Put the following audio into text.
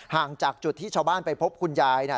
ห่างจากจุดที่ชาวบ้านไปพบคุณยายเนี่ย